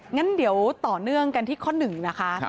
งั้นเดี๋ยวต่อเนื่องกันที่ข้อ๑นะคะ